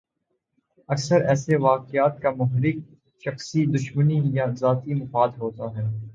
اکثر ایسے واقعات کا محرک شخصی دشمنی یا ذاتی مفاد ہوتا ہے۔